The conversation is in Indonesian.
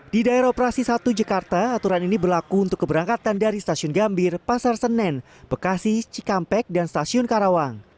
di daerah operasi satu jakarta aturan ini berlaku untuk keberangkatan dari stasiun gambir pasar senen bekasi cikampek dan stasiun karawang